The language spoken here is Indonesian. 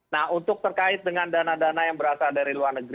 nah untuk terkait dengan dana dana yang berasal dari luar negeri